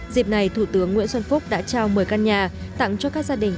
dịp này thủ tướng nguyễn xuân phúc đã trao một mươi căn nhà tặng cho các gia đình